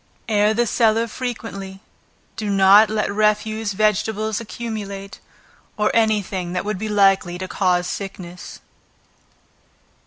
Air the cellar frequently; do not let refuse vegetables accumulate, or any thing that would be likely to cause sickness.